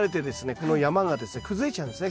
この山がですね崩れちゃうんですね。